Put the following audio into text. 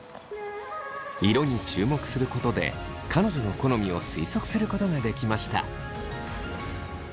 色に注目することで彼女の好みを推測することができました。